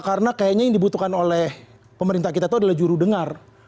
karena kayaknya yang dibutuhkan oleh pemerintah kita itu adalah juru dengar